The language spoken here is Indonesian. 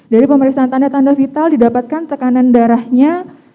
dari pemeriksaan tanda tanda vital didapatkan tekanan darahnya